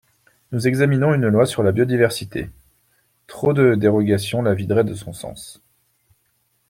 Nous examinons une loi sur la biodiversité ; trop de dérogations la videraient de son sens.